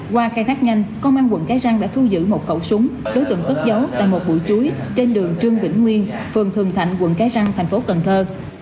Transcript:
qua khai thác nhanh công an quận cái răng đã thu giữ một khẩu súng đối tượng cất giấu tại một buổi chuối trên đường trương vĩnh nguyên phường thường thạnh quận cái răng thành phố cần thơ